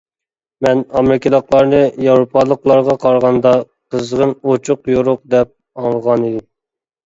مەن ئامېرىكىلىقلارنى ياۋروپالىقلارغا قارىغاندا قىزغىن، ئوچۇق-يورۇق دەپ ئاڭلىغانىدىم.